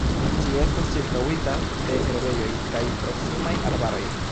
Ĝi estas ĉirkaŭita de herbejoj kaj proksimaj arbaroj.